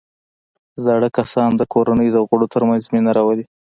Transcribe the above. زاړه کسان د کورنۍ د غړو ترمنځ مینه راولي